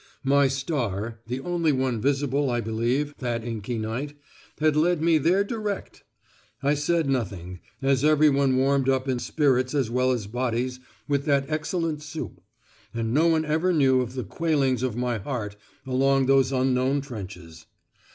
My star (the only one visible, I believe, that inky night) had led me there direct! I said nothing, as every one warmed up in spirits as well as bodies with that excellent soup; and no one ever knew of the quailings of my heart along those unknown trenches!